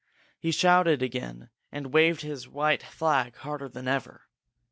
He shouted again, and waved his white flag harder than ever.